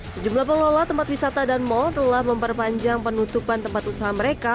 sejumlah pengelola tempat wisata dan mal telah memperpanjang penutupan tempat usaha mereka